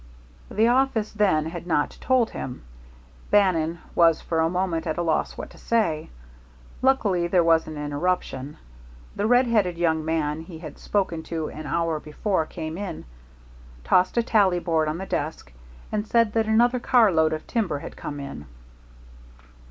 The office, then, had not told him. Bannon was for a moment at a loss what to say. Luckily there was an interruption. The red headed young man he had spoken to an hour before came in, tossed a tally board on the desk, and said that another carload of timber had come in.